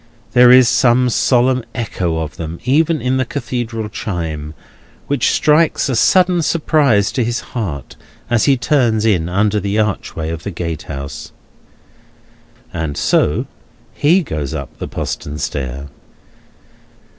There is some solemn echo of them even in the Cathedral chime, which strikes a sudden surprise to his heart as he turns in under the archway of the gatehouse. And so he goes up the postern stair.